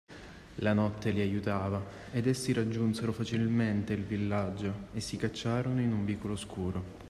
La notte li aiutava ed essi raggiunsero facilmente il villaggio e si cacciarono in un vicolo oscuro.